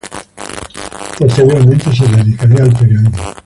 Posteriormente se dedicaría al periodismo.